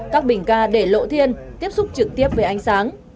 các bình ca để lộ thiên tiếp xúc trực tiếp với ánh sáng